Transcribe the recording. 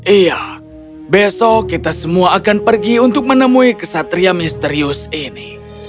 iya besok kita semua akan pergi untuk menemui kesatria misterius ini